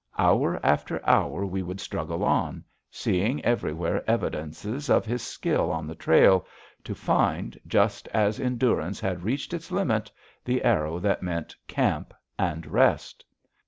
Hour after hour we would struggle on, seeing everywhere evidences of his skill on the trail, to find, just as endurance had reached its limit, the arrow that meant camp and rest.